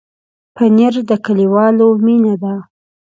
پنېر د کلیوالو مینه ده.